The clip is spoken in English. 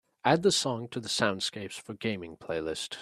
Add the song to the soundscapes for gaming playlist.